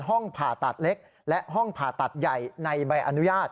ห้องผ่าตัดเล็กและห้องผ่าตัดใหญ่ในใบอนุญาต